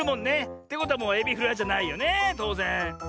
ってことはもうエビフライじゃないよねとうぜん。